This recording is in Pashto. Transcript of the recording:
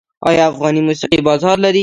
آیا افغاني موسیقي بازار لري؟